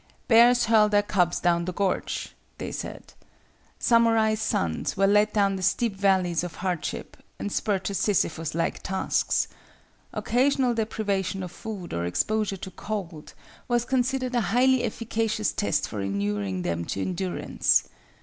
"Bears hurl their cubs down the gorge," they said. Samurai's sons were let down the steep valleys of hardship, and spurred to Sisyphus like tasks. Occasional deprivation of food or exposure to cold, was considered a highly efficacious test for inuring them to endurance.